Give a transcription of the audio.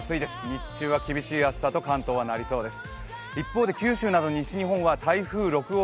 日中は厳しい暑さと関東はなりそうです。